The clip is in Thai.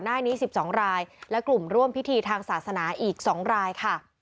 หน้านี้๑๒รายและกลุ่มร่วมพิธีทางศาสนาอีก๒รายค่ะ